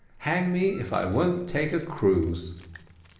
Hang me if I won't take a cruise."